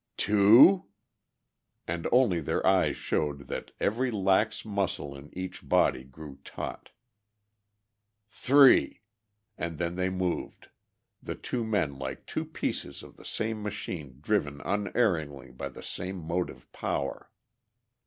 "Two," and only their eyes showed that every lax muscle in each body grew taut. "Three," and then they moved, the two men like two pieces of the same machine driven unerringly by the same motive power.